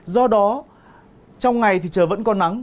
do đó trong ngày thì chờ vẫn có nắng